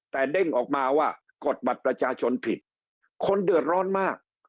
แต่เด้งออกมาว่ากดบัตรประชาชนผิดคนเดือดร้อนมาก